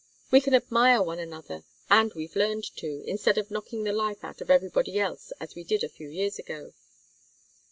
"We can admire one another and we've learned to, instead of knocking the life out of everybody else as we did a few years ago.